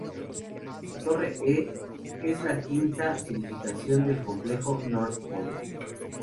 La Torre E es la quinta edificación del complejo North Point.